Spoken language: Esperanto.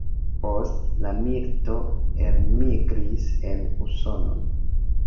Post la milito elmigris en Usonon.